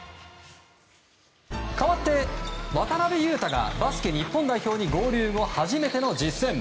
かわって渡邊雄大がバスケ日本代表に合流後初めての実戦。